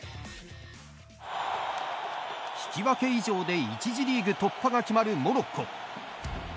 引き分け以上で１次リーグ突破が決まるモロッコ。